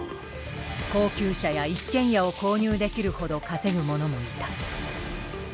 高級車や一軒家を購入できるほど稼ぐ者もいた。